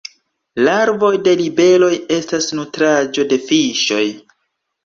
Larvoj de libeloj estas nutraĵo de fiŝoj.